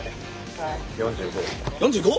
４５。